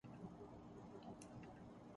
سید نور کا ایران کے ساتھ فلم بنانے کا اعلان